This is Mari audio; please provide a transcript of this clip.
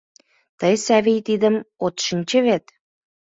Тый, Савий, тидым от шинче вет?